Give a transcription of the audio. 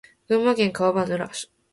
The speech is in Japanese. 群馬県川場村